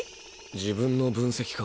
自分の分析か。